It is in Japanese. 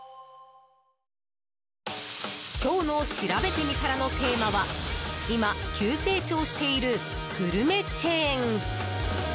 今日のしらべてみたらのテーマは今、急成長しているグルメチェーン。